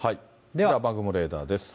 雨雲レーダーです。